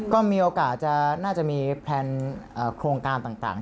ก็มีโอกาสจะน่าจะมีแพลนโครงการต่าง